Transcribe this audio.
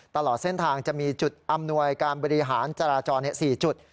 ตลอดเส้นทางจะมีจุดอำนวยการบริหารจราจร๔จุด